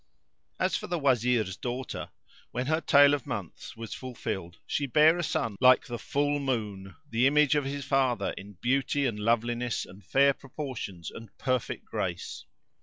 As for the Wazir's daughter, when her tale of months was fulfilled, she bare a son like the full moon, the image of his father in beauty and loveliness and fair proportions and perfect grace.